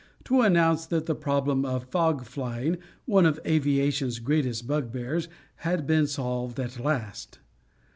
to announce that the problem of fog flying, one of aviation's greatest bugbears, had been solved at last.